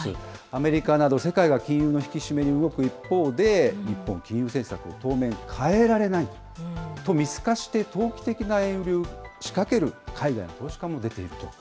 アメリカなど、世界が金融の引き締めに動く一方で、日本、金融政策、当面変えられないと見透かして、投機的な円売りを仕掛ける海外の投資家も出ていると。